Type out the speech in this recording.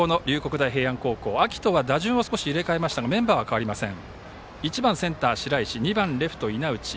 大平安高校秋とは打順を少し入れ替えましたがメンバーは変わりません。